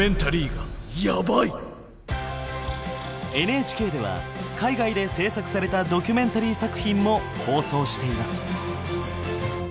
ＮＨＫでは海外で制作されたドキュメンタリー作品も放送しています。